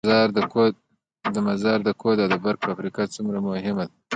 د مزار د کود او برق فابریکه څومره مهمه ده؟